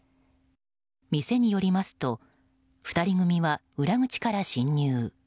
店によりますと２人組は裏口から侵入。